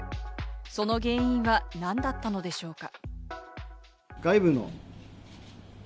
その原因は何だったのでしょうか？